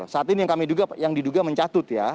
saat ini yang kami diduga mencatut ya